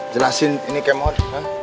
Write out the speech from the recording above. jelasin ini kemur